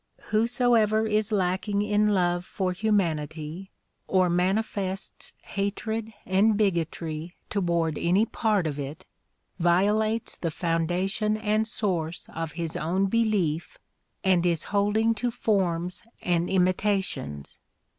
AVhosoever is lacking in love for humanity or manifests hatred and bigotry toward any part of it, violates the foundation and source of his own belief and is holding to forms and imitations.